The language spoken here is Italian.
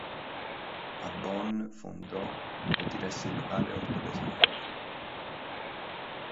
A Bonn fondò e diresse il locale orto botanico.